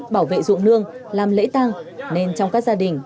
bảo vệ ruộng nương làm lễ tăng nên trong các gia đình